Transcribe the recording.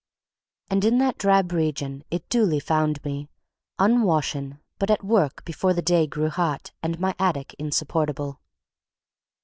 And in that drab region it duly found me, unwashen but at work before the day grew hot and my attic insupportable.